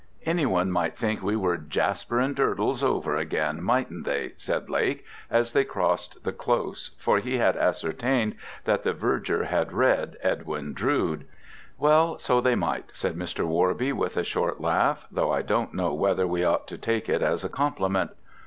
"Any one might think we were Jasper and Durdles, over again, mightn't they," said Lake, as they crossed the close, for he had ascertained that the Verger had read Edwin Drood. "Well, so they might," said Mr. Worby, with a short laugh, "though I don't know whether we ought to take it as a compliment.